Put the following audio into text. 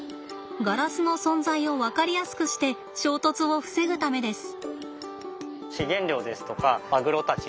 ガラスの存在を分かりやすくして衝突を防ぐためです。